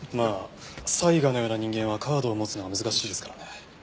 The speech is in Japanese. まあ才賀のような人間はカードを持つのは難しいですからね。